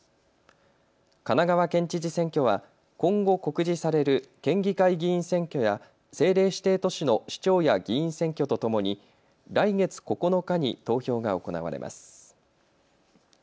神奈川県知事選挙は今後、告示される県議会議員選挙や政令指定都市の市長や議員選挙とともに来月９日に投票が行われます。